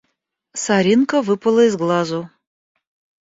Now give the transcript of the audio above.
Соринка выпала из глазу.